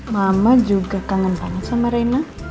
mama juga kangen banget sama rina